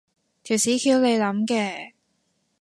條屎橋你諗嘅？